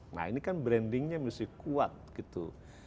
nah ini kan brandingnya mesti kuat gitu